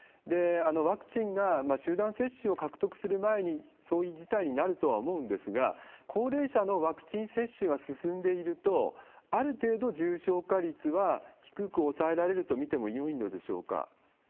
ワクチンが集団接種を獲得する前にそういう事態になるとは思うんですが、高齢者のワクチン接種が進んでいると、ある程度重症化率は低く抑えられると見てもよいのでしょうか。